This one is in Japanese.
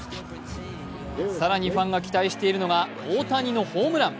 更にファンが期待しているのが大谷のホームラン。